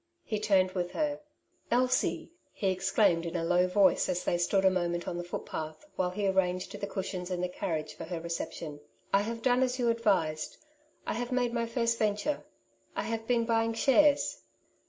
He turned with her. '^ Elsie !" he exclaimed in a low voice as they stood a moment on the footpath, while he arranged the cushions in the carriage for her reception, "I have done as you advised ; I have made my first venture ; I have been buying shares."